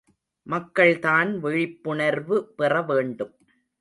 மக்கள்தான் விழிப்புணர்வு பெறவேண்டும்.